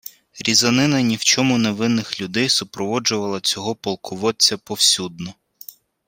Різанина ні в чому не винних людей супроводжувала цього «полководця» повсюдно